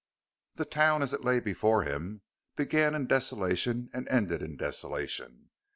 The town, as it lay before him, began in desolation and ended in desolation.